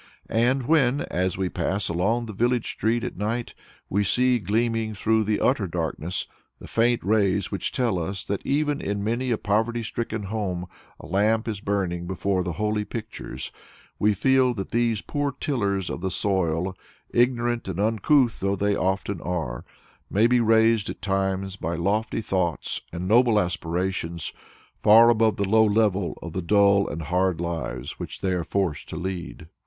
And when, as we pass along the village street at night, we see gleaming through the utter darkness the faint rays which tell that even in many a poverty stricken home a lamp is burning before the "holy pictures," we feel that these poor tillers of the soil, ignorant and uncouth though they too often are, may be raised at times by lofty thoughts and noble aspirations far above the low level of the dull and hard lives which they are forced to lead.